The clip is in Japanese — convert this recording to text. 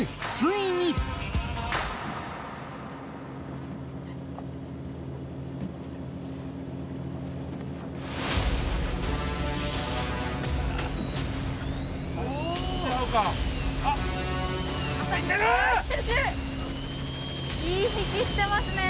いい引きしてますね。